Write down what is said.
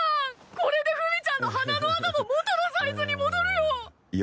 これでフミちゃんの鼻の穴も元のサイズに戻るよ！